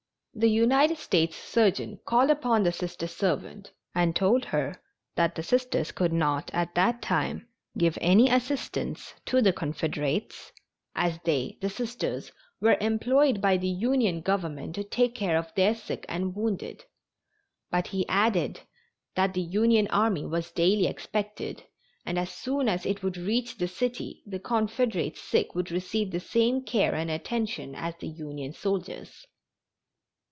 The United States surgeon called upon the Sister servant and told her that the Sisters could not at that time give any assistance to the Confederates, as they, the Sisters, were employed by the Union Government to take care of their sick and wounded, but he added that the Union army was daily expected, and as soon as it would reach the city the Confederate sick would receive the same care and attention as the Union soldiers.